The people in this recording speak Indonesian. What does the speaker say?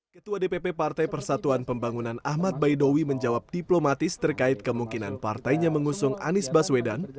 ketua dpp partai persatuan pembangunan ahmad baidowi menjawab diplomatis terkait kemungkinan partainya mengusung anies baswedan